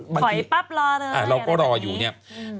ถอยปั๊บรอเลยเราก็รออยู่เนี่ย